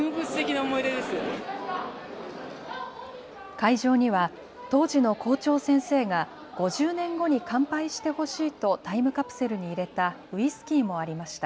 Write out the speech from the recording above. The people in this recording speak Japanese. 会場には当時の校長先生が５０年後に乾杯してほしいとタイムカプセルに入れたウイスキーもありました。